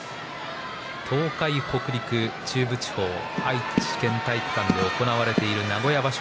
東海北陸中部地方愛知県体育館で行われている名古屋場所。